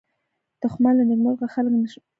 دښمن له نېکمرغه خلک نه شي زغملی